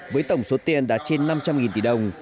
với tổng số tiền đạt trên năm trăm linh tỷ đồng